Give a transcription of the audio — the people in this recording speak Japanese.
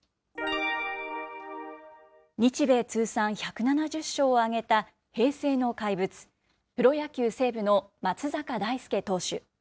日米通算１７０勝を挙げた平成の怪物、プロ野球・西武の松坂大輔投手。